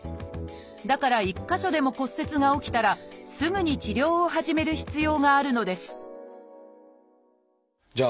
だから１か所でも骨折が起きたらすぐに治療を始める必要があるのですじゃあ